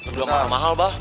dijual mahal mahal bah